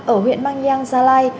ở huyện mang nhang gia lai